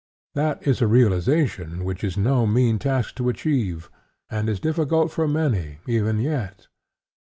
That is a realization which is no mean task to achieve, and is difficult for many, even yet.